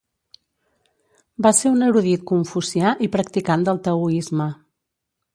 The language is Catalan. Va ser un erudit confucià i practicant del taoisme.